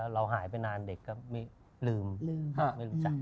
เราหายไปนานเด็กก็ไม่รู้จัก